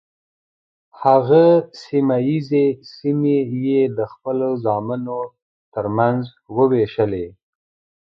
هغه سیمه ییزې سیمې یې د خپلو زامنو تر منځ وویشلې.